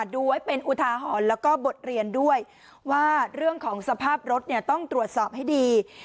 ดูไว้เป็นอุทาหรณ์แล้วก็บทเรียนด้วยว่าเรื่องของสภาพรถเนี่ยต้องตรวจสอบให้ดี